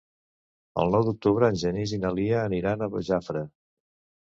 El nou d'octubre en Genís i na Lia aniran a Jafre.